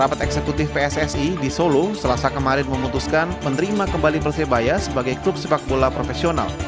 rapat eksekutif pssi di solo selasa kemarin memutuskan menerima kembali persebaya sebagai klub sepak bola profesional